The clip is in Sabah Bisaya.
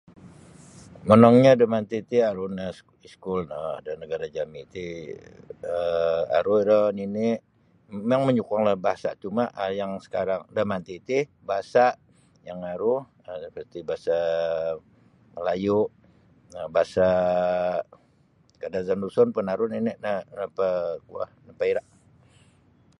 Monongnyo damanti ti aru nio iskul no da nagara' jami' ti um aru iro nini' mimang manyukunglah da bahasa' cuma' um yang sakarang damanti ti bahasa yang aru nu ti bahasa Melayu bahasa Kadazandusun pun aru nini' napa kuo napaira'.